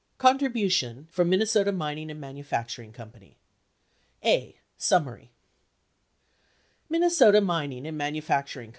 CONTRIBUTION FROM MINNESOTA MINING AND MANUFACTURING COMPANY A. Summary Minnesota Mining and Manufacturing Co.